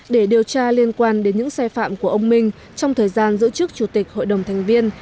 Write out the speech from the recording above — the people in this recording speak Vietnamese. để điều tra liên quan đến những sai phạm của ông minh trong thời gian giữ chức chủ tịch hội đồng thành viên